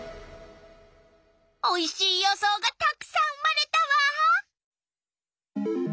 おいしい予想がたくさん生まれたわ！